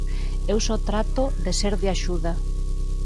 Eu só trato de ser de axuda.